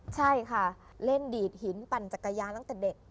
ใช่ค่ะเล่นดีดหินปั่นจักรยานตั้งแต่เด็ก